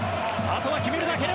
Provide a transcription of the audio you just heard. あとは決めるだけ。